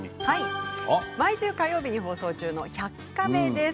毎週火曜日に放送中の「１００カメ」です。